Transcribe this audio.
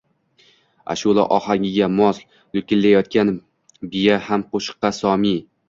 ashula ohangiga mos loʼkillayotgan biya ham qoʼshiqqa some.